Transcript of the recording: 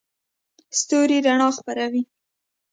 ستوري رڼا خپروي.